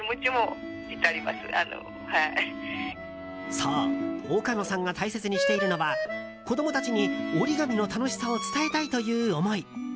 そう、岡野さんが大切にしているのは子供たちに折り紙の楽しさを伝えたいという思い。